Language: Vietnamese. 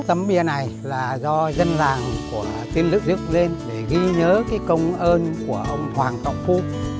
tấm bia này là do dân dàng của tiên lực dựng lên để ghi nhớ cái công ơn của ông hoàng tọc phu